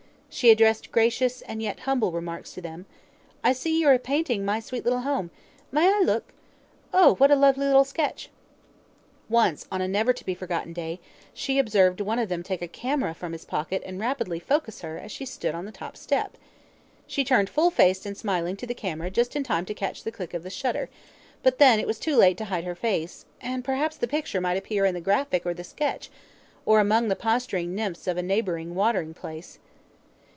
She addressed gracious and yet humble remarks to them: "I see you are painting my sweet little home. May I look? Oh, what a lovely little sketch!" Once, on a never to be forgotten day, she observed one of them take a camera from his pocket and rapidly focus her as she stood on the top step. She turned full faced and smiling to the camera just in time to catch the click of the shutter, but then it was too late to hide her face, and perhaps the picture might appear in the Graphic or the Sketch, or among the posturing nymphs of a neighbouring watering place.